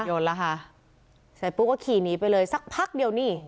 เสร็จปุ๊บก็ขี่หนีไปเลยสักพักเดี๋ยวนี่